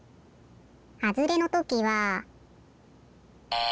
はずれのときは。